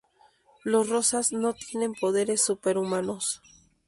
Los Rosas no tienen poderes súper humanos.